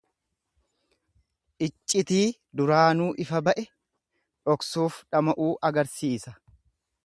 Iccitii duraanuu ifa ba'e dhoksuuf dhama'uu agarsiisa.